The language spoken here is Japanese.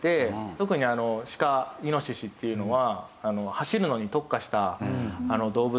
特にシカイノシシっていうのは走るのに特化した動物なんですね。